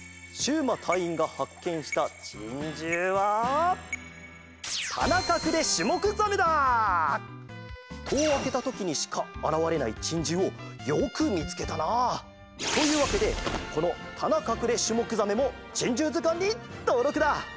うまたいいんがはっけんしたチンジューはとをあけたときにしかあらわれないチンジューをよくみつけたな！というわけでこのタナカクレシュモクザメも「珍獣図鑑」にとうろくだ！